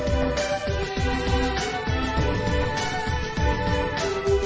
โอ้โอ้โอ้โอ้